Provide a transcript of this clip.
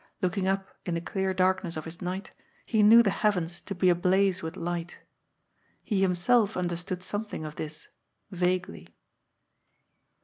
Looking up in the clear darkness of his night, he knew the heavens to be ablaze with light. He himself understood something of this — ^vaguely.